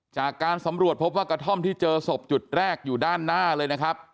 จากการสำรวจพบว่ากระท่อมที่เจอศพจุดแรกอยู่ด้านหน้าเลยนะครับ